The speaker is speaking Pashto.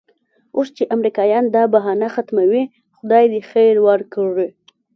اوس چې امریکایان دا بهانه ختموي خدای دې خیر ورکړي.